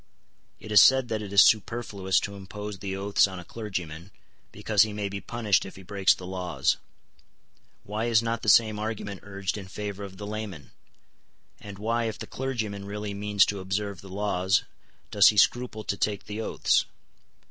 It is said that it is superfluous to impose the oaths on a clergyman, because he may be punished if he breaks the laws. Why is not the same argument urged in favour of the layman? And why, if the clergyman really means to observe the laws, does he scruple to take the oaths?